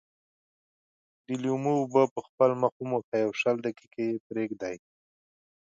د لیمو اوبه په خپل مخ وموښئ او شل دقيقې یې پرېږدئ.